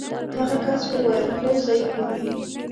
هغه کس وویل: هو ضعیفې دي.